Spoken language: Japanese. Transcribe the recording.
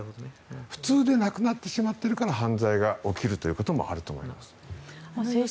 普通でなくなってしまっているから犯罪起きるということもあると思います。